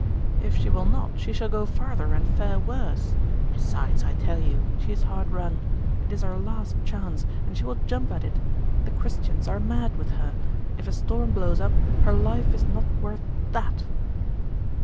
'If she will not, she shall go farther and fare worse. Besides, I tell you, she is hard run. It is her last chance, and she will jump at it. The Christians are mad with her; if a storm blows up, her life is not worth that!